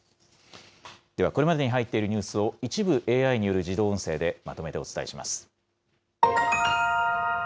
では、これまでに入っているニュースを一部ＡＩによる自動音声でまとめてお伝えします。